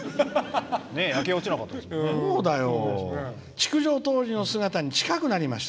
「築城当時の姿に近くなりました。